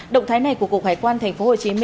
động thái này của cục hải quan tp hcm